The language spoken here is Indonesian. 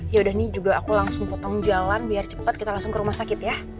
yaudah nih juga aku langsung potong jalan biar cepat kita langsung ke rumah sakit ya